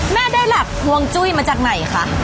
แม่ได้หลักฮวงจุ้ยมาจากไหนคะ